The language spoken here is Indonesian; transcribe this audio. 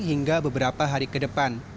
hingga beberapa hari ke depan